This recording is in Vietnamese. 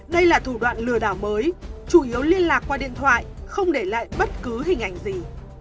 đây là thủ đoạn lừa đảo mới chủ yếu liên lạc qua điện thoại không để lại bất cứ hình ảnh gì